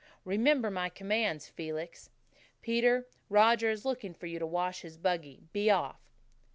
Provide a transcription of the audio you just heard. Remember my commands, Felix. Peter, Roger is looking for you to wash his buggy. Be off."